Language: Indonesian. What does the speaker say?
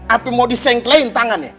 apa mau disengklain tangannya